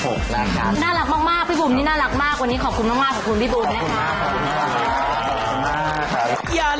เพื่อกหิมะคล้ายดิบคล้ายดี